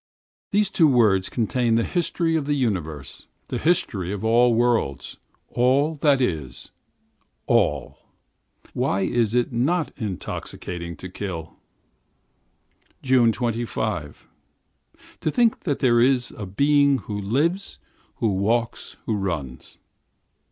These two words contain the history of the universe, all the history of worlds, all that is, all! Why is it not intoxicating to kill? 25th June. To think that a being is there who lives, who walks, who runs.